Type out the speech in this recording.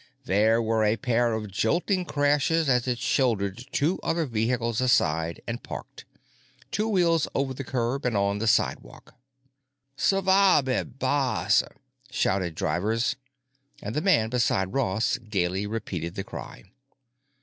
There were a pair of jolting crashes as it shouldered two other vehicles aside and parked, two wheels over the curb and on the sidewalk. "Suvvabih bassa!" shouted drivers, and the man beside Ross gaily repeated the cry.